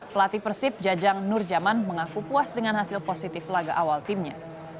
pelatih persib jajang nurjaman mengaku puas dengan hasil positif laga awal timnya